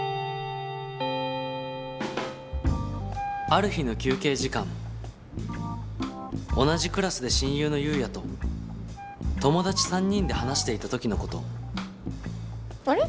ある日の休憩時間同じクラスで親友の優也と友達３人で話していたときのことあれ？